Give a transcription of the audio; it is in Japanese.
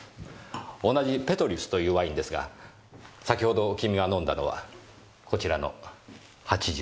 同じ「ペトリュス」というワインですが先程君が飲んだのはこちらの８７年。